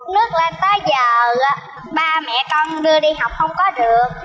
nước lên tới giờ ba mẹ con đưa đi học không có được